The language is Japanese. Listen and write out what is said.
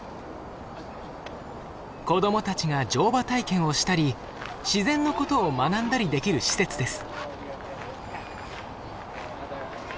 子どもたちが乗馬体験をしたり自然のことを学んだりできる施設です。